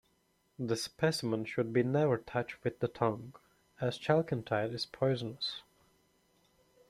The specimen should be never touched with the tongue, as chalcanthite is poisonous.